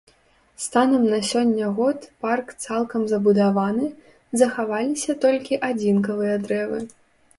Станам на сёння год парк цалкам забудаваны, захаваліся толькі адзінкавыя дрэвы.